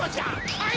はい！